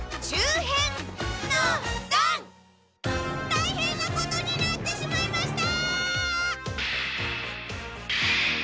たいへんなことになってしまいました！